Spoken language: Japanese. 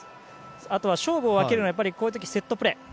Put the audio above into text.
あとは勝負を分けるのはこういう時セットプレー。